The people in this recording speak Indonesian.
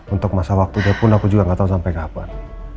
untuk masa waktu dia pun aku juga gak tahu sampai kapan